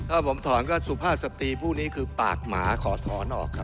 ถ้าผมถอนก็สุภาพสตรีผู้นี้คือปากหมาขอถอนออกครับ